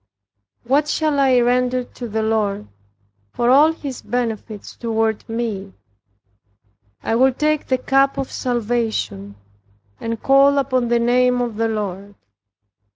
"What shall I render to the Lord, for all his benefits toward me? I will take the cup of salvation, and call upon the name of the Lord."